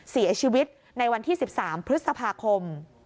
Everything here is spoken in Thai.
เสียชีวิตในวันที่๑๓พฤษภาคม